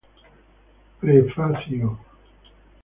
Prefacio